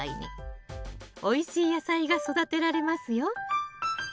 おいしい野菜が育てられますよ